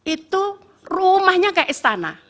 itu rumahnya kayak istana